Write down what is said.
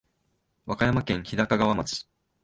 和歌山県日高川町